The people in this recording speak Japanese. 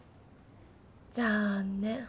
残念。